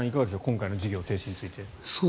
今回の事業停止について。